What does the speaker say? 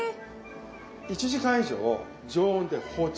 １時間以上常温で放置する。